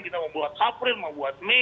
kita mau buat april mau buat mei